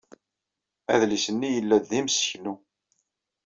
Adlis-nni yella-d d imseknu.